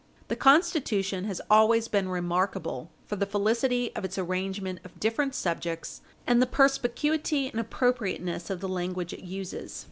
The Constitution has always been remarkable for the felicity of its arrangement of different subjects and the perspicuity and appropriateness of the language it uses.